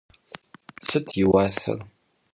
Sıt yi vuaser?